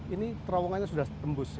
ini terowongannya sudah tembus